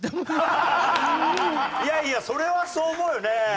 いやいやそれはそう思うよね。